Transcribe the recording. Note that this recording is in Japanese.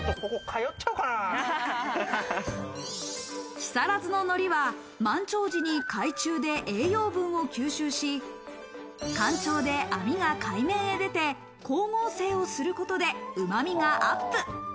木更津の海苔は満潮時に海中で栄養分を吸収し、干潮で網が海面に出て光合成をすることでうまみがアップ。